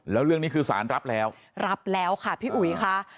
แล้วเรื่องนี้คือสารรับแล้วรับแล้วค่ะพี่อุ๋ยค่ะ